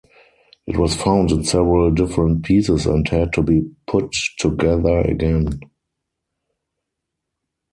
It was found in several different pieces and had to be put together again.